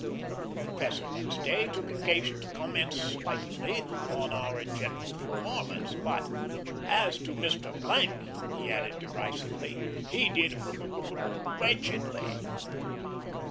The professor next day took occasion to comment slightingly on our general performance, but "as to Mr. ," he added, derisively, "he did r r r wretchedly."